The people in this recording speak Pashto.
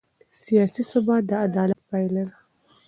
سیاسي ثبات د عدالت پایله ده